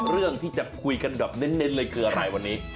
เรื่องที่จะคุยกันแบบเน้นเลยคืออะไรวันนี้